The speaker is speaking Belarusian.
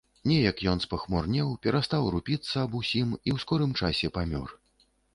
Неяк ён спахмурнеў, перастаў рупіцца аб усім і ў скорым часе памёр.